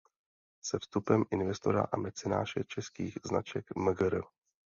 Se vstupem investora a mecenáše českých značek mgr.